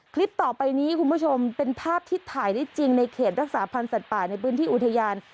คลิปต่อไปนี้คุณผู้ชมเป็นภาพที่ถ่ายได้จริงในเขตรักษาพันธ์สัตว์ป่าในพื้นที่อุทยาน